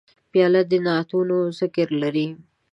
پیاله د نعتونو ذکر لري.